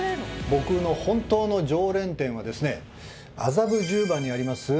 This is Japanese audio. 僕の本当の常連店はですね麻布十番にあります